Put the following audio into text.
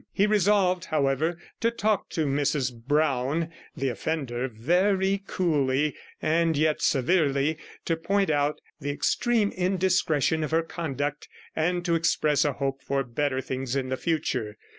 He resolved, however, to talk to Mrs Brown, the offender, very coolly and yet severely, to point out the extreme indiscretion of her conduct, and to express a hope for better things in the future.